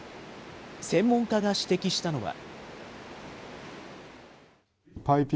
専門家が指摘したのは。